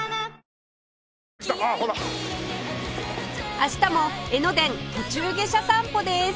明日も江ノ電途中下車散歩です